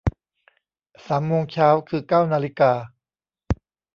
สามโมงเช้า คือเก้านาฬิกา